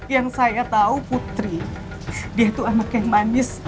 yang saya tau putri dia tuh anak yang manis